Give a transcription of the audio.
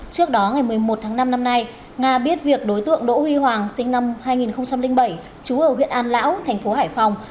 trước đó ngày một mươi một tháng năm năm nay nga biết việc đối tượng đỗ huy hoàng sinh năm hai nghìn bảy trú ở huyện an lão thành phố hải phòng